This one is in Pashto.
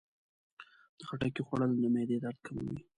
د خټکي خوړل د معدې درد کموي.